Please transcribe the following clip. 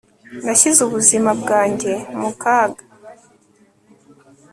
Nashyize ubuzima bwanjye mu kaga